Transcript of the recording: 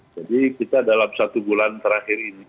jadi kita dalam satu bulan terakhir ini